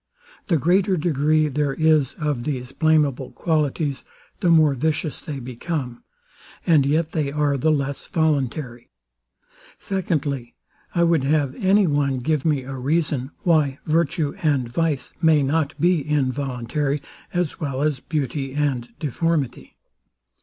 The greater degree there is of these blameable qualities, the more vicious they become, and yet they are the less voluntary. Secondly, I would have anyone give me a reason, why virtue and vice may not be involuntary, as well as beauty and deformity.